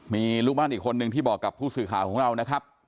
มีลูกบ้านอีกคนนึงที่บอกกับผู้สื่อข่าวของเรานะครับ